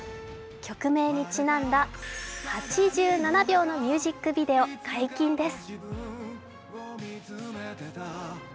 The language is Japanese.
曲名にちなんだ８７秒のミュージックビデオ、解禁です。